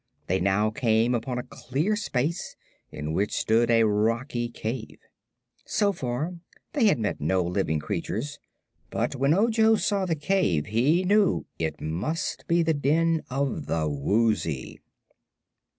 They now came upon a clear space in which stood a rocky cave. So far they had met no living creature, but when Ojo saw the cave he knew it must be the den of the Woozy.